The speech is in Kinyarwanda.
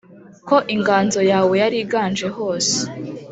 Ko inganzo yawe yariganje hose